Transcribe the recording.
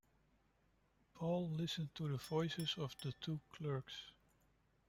Paul listened to the voices of the two clerks.